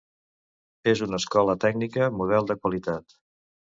És una escola tècnica model de qualitat.